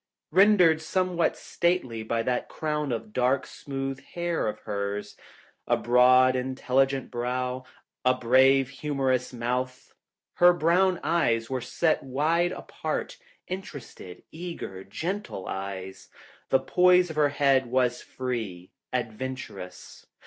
Rendered somewhat stately by that crown of dark, smooth hair of hers. A broad, intelligent brow. A brave, humorous mouth. Her brown eyes were set wide apart, interested, eager, gentle eyes. The poise of her head was free, adventurous.